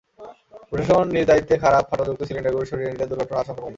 প্রশাসন নিজ দায়িত্বে খারাপ, ফাটলযুক্ত সিলিন্ডারগুলো সরিয়ে নিলে দুর্ঘটনার আশঙ্কা কমবে।